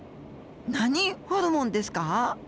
何ホルモンですか？